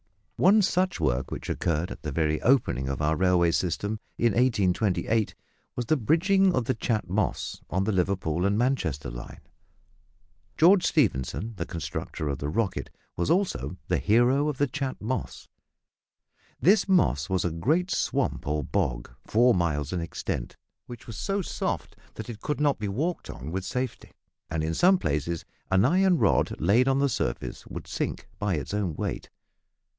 One such work, which occurred at the very opening of our railway system in 1828, was the bridging of the Chat Moss, on the Liverpool and Manchester line. George Stephenson, the constructer of the "Rocket," was also the hero of the Chat Moss. This moss was a great swamp or bog, four miles in extent, which was so soft that it could not be walked on with safety, and in some places an iron rod laid on the surface would sink by its own weight.